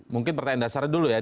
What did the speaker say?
mungkin pertanyaan dasarnya dulu ya